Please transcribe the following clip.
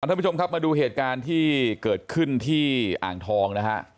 ท่านผู้ชมครับมาดูเหตุการณ์ที่เกิดขึ้นที่อ่างทองนะฮะ